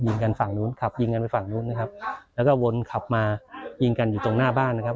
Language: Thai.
กันฝั่งนู้นขับยิงกันไปฝั่งนู้นนะครับแล้วก็วนขับมายิงกันอยู่ตรงหน้าบ้านนะครับ